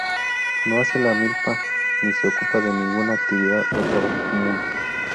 No hace la milpa ni se ocupa de ninguna actividad o trabajo común.